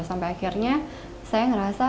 sampai akhirnya saya ngerasa